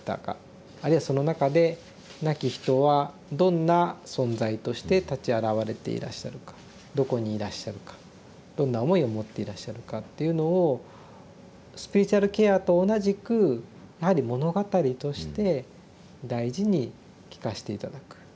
あるいはその中で亡き人はどんな存在として立ち現れていらっしゃるかどこにいらっしゃるかどんな思いを持っていらっしゃるかっていうのをスピリチュアルケアと同じくやはり物語として大事に聞かして頂く。